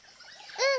うん。